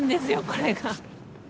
これが。